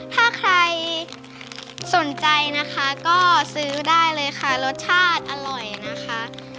ถ้าใครสนใจนะคะก็ซื้อได้เลยค่ะรสชาติอร่อยนะคะ